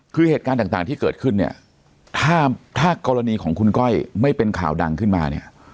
คือเหตุการณ์ต่างที่เกิดขึ้นเนี่ยถ้ากรณีของคุณก้อยไม่เป็นข่าวดังขึ้นมาเนี่ย